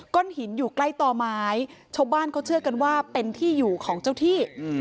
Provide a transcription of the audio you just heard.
หินอยู่ใกล้ต่อไม้ชาวบ้านเขาเชื่อกันว่าเป็นที่อยู่ของเจ้าที่